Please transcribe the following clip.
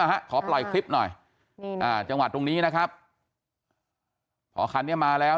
ฮะขอปล่อยคลิปหน่อยนี่นะจังหวัดตรงนี้นะครับพอคันนี้มาแล้ว